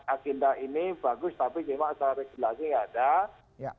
agenda ini bagus tapi memang asal rejelasinya tidak ada